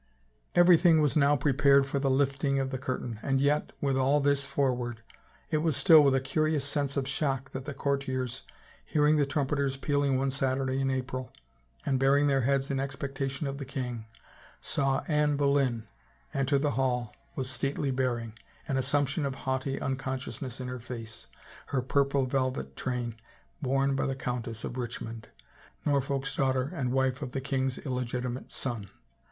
Everything was now prepared for the lifting of the curtain and yet, with all this foreword, it was still with a curious sense of shock that the courtiers, hearing the trumpeters pealing one Saturday in April and baring their heads in expectation of the king, saw Anne Boleyn enter the hall with stately bearing, an assumption of haughty unconsciousness in her face, her purple velvet train borne by the Countess of Richmond, Norfolk's daughter and wife of the king's illegitimate son.